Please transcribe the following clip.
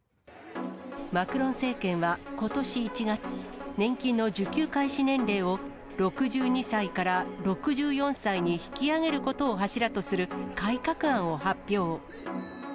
マクロン政権はことし１月、年金の受給開始年齢を６２歳から６４歳に引き上げることを柱とする改革案を発表。